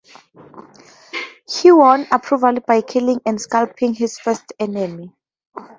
He won approval by killing and scalping his first enemy.